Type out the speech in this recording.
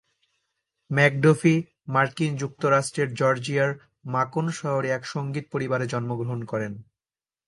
McDuffie মার্কিন যুক্তরাষ্ট্রের জর্জিয়ার মাকন শহরে এক সঙ্গীত পরিবারে জন্মগ্রহণ করেন।